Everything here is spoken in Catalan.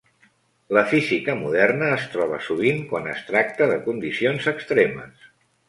La física moderna es troba sovint quan es tracta de condicions extremes.